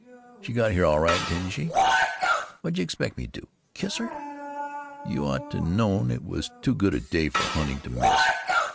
She got here all right, didn't she? What j' expect me to do? Kiss her? You ought to known it was too good a day for hunting to miss....